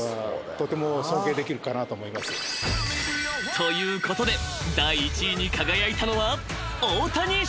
［ということで第１位に輝いたのは］